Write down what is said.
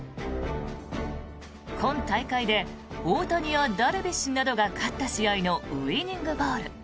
今大会で大谷やダルビッシュなどが勝った試合のウィニングボール。